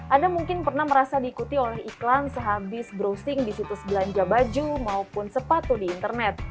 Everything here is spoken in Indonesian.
anda mungkin pernah merasa diikuti oleh iklan sehabis browsing di situs belanja baju maupun sepatu di internet